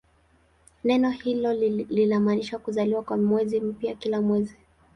Neno hilo linamaanisha "kuzaliwa" kwa mwezi mpya kila mwezi.